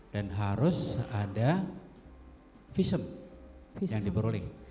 dan harus ada visum yang diperoleh